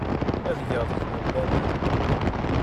Ad geɣ deg-wen laman.